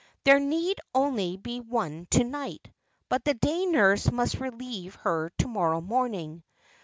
There need only be one to night, but the day nurse must relieve her to morrow morning.